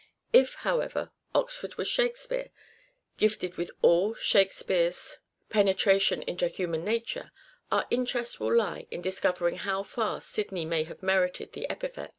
If, however, Oxford was " Shakespeare," gifted with all Shakespeare's pene tration into human nature, our interest will lie in discovering how far Sidney may have merited the epithet.